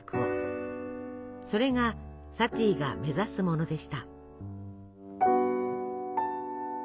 それがサティが目指すものでした。